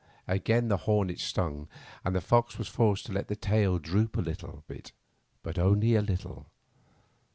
Again the hornet stung, and the fox was forced to let his tail droop a little bit, but only a little.